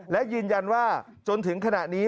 และยืนยันว่าจนถึงขณะนี้